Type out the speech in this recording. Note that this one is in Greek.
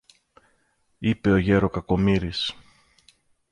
είπε ο γερο Κακομοίρης.